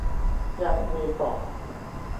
ยังมีต่อ